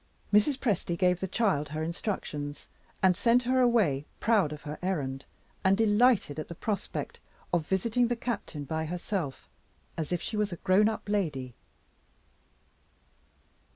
Mrs. Presty gave the child her instructions, and sent her away proud of her errand, and delighted at the prospect of visiting the Captain by herself, as if she "was a grown up lady."